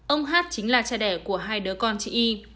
ông hát chính là cha đẻ của hai đứa con chị y